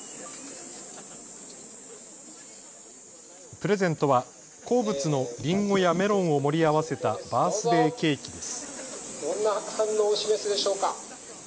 プレゼントは好物のリンゴやメロンを盛り合わせたバースデーケーキです。